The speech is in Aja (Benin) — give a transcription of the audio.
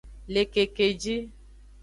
Le kekeji.